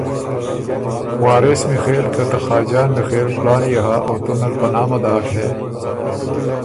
”وارث میخېل که ته خاجان میخېل کلان يې هۀ او تُو نل په نامه داک هې